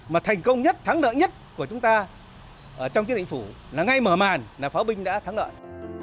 mà thành công nhất thắng đợi nhất của chúng ta trong chiến định phủ là ngay mở màn là pháo binh đã thắng lợi